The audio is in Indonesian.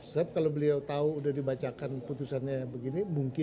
sebab kalau beliau tahu udah dibacakan putusannya begini mungkin